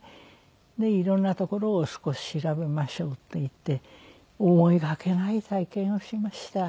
でいろんなところを少し調べましょうっていって思いがけない体験をしました。